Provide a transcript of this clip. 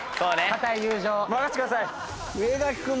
固い友情。